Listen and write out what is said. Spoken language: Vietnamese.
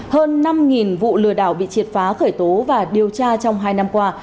hơn năm vụ lừa đảo bị triệt phá khởi tố và điều tra trong hai năm qua